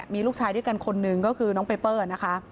มีลูกชายด้วยกันคนนึงก็คือน้องเปเปอร์นะคะ